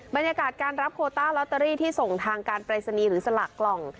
บรรยากาศการรับโคต้าลอตเตอรี่ที่ส่งทางการปรายศนีย์หรือสลากกล่อง